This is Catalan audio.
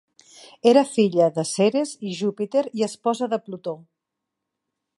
Era filla de Ceres i Júpiter i esposa de Plutó.